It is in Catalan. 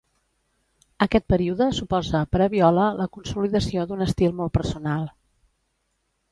Aquest període suposa per a Viola la consolidació d’un estil molt personal.